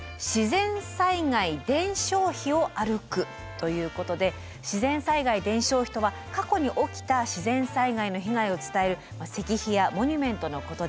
ということで自然災害伝承碑とは過去に起きた自然災害の被害を伝える石碑やモニュメントのことです。